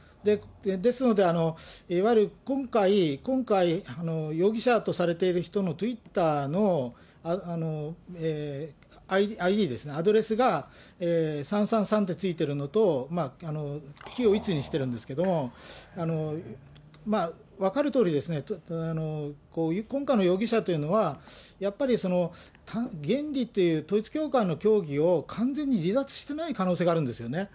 ですので、いわゆる今回、容疑者とされている人のツイッターのＩＤですね、アドレスが３３３ってついてるのと、きをいつにしているんですけれども、分かるとおり、今回の容疑者というのは、やっぱり原理っていう、統一教会の教義を完全に離脱してない可能性があるんですよね。